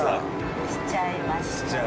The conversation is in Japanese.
来ちゃいました。